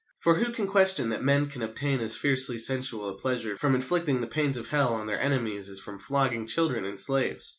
For who can question that men can obtain as fiercely sensual a pleasure from inflicting the pains of Hell on their enemies as from flogging children and slaves?